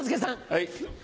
はい。